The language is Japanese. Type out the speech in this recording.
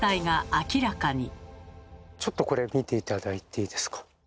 ちょっとこれ見て頂いていいですか？